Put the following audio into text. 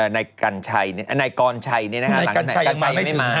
ในกรรไชยยังมาไม่ถึง